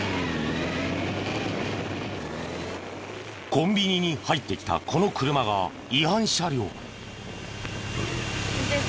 コンビニに入ってきたこの車が違反車両。